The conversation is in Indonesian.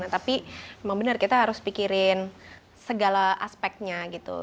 tapi memang benar kita harus pikirin segala aspeknya gitu